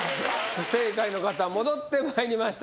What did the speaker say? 不正解の方戻ってまいりました